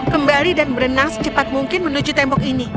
kembali dan berenang secepat mungkin menuju tembok ini